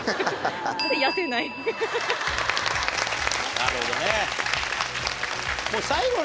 なるほどね。